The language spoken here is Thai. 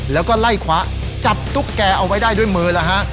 แล้วก็ไล่คว้าจับตุ๊กแกเอาไว้ได้ด้วยมือแล้วฮะ